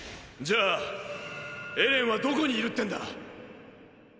じゃあエレンはどこにいるってんだ？